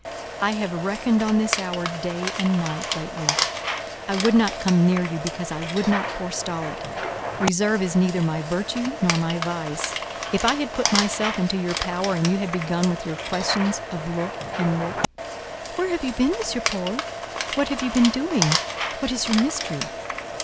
I have reckoned on this hour day and night lately. I would not come near you, because I would not forestall it. Reserve is neither my virtue nor my vice. If I had put myself into your power, and you had begun with your questions of look and lip—Where have you been, M. Paul? What have you been doing? What is your mystery?